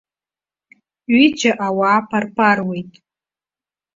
Ҩыџьа ауаа парпаруеит.